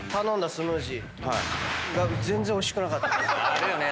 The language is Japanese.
あるよね